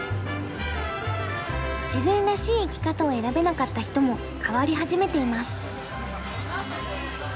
自分らしい生き方を選べなかった人も変わり始めています。